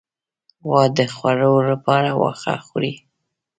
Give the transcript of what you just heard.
غوا د خوړو لپاره واښه خوري.